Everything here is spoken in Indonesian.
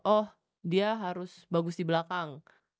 oh dia harus bagus di belakang